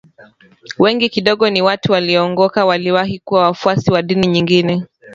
wengi kidogo ni watu walioongoka waliwahi kuwa wafuasi wa dini nyingine